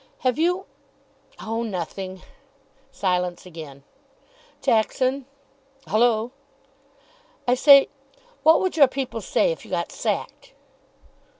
"Have you oh, nothing." Silence again. "Jackson." "Hullo?" "I say, what would your people say if you got sacked?"